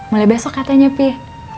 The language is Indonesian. mulai besok katanya pih